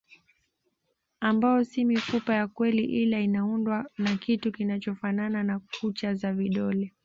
Ambao si mifupa ya kweli ila inaundwa na kitu kinachofanana na kucha za vidole